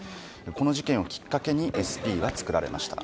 この事件をきっかけにＳＰが作られました。